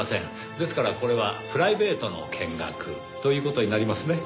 ですからこれはプライベートの見学という事になりますね。